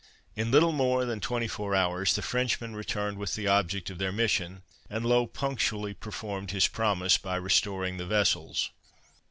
In little more than twenty four hours, the Frenchmen returned with the object of their mission, and Low punctually performed his promise by restoring the vessels.